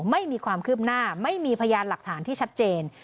ไม่มีความคืบหน้าไม่มีพยานหลักฐานที่ชัดเจน